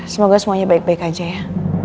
semoga semuanya baik baik aja ya